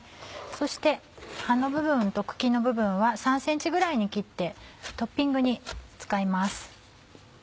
そして葉の部分と茎の部分は３ｃｍぐらいに切ってトッピングに使います。